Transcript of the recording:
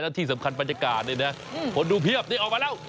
ที่สำคัญบรรยากาศนี่นะคนดูเพียบนี่ออกมาแล้ว